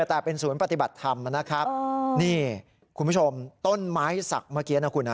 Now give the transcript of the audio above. แต่เป็นศูนย์ปฏิบัติธรรมนะครับนี่คุณผู้ชมต้นไม้ศักดิ์เมื่อกี้นะคุณฮะ